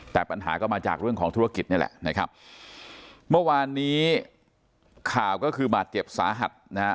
แต่ปัญหาก็มาจากเรื่องของธุรกิจนี่แหละนะครับเมื่อวานนี้ข่าวก็คือบาดเจ็บสาหัสนะฮะ